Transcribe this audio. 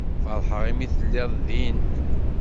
Feṛḥeɣ imi telliḍ din.